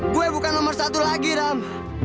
gue bukan nomor satu lagi ram